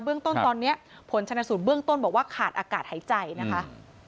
เรื่องต้นตอนนี้ผลชนสูตรเบื้องต้นบอกว่าขาดอากาศหายใจนะคะ